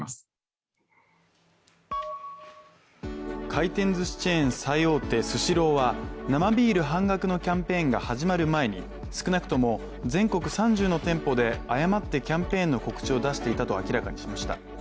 回転ずしチェーン最大手、スシローは生ビール半額のキャンペーンが始まる前に少なくとも全国３０の店舗で誤ってキャンペーンの告知を出していたと明らかにしました。